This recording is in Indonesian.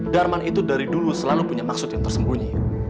darman itu dari dulu selalu punya maksud yang tersembunyi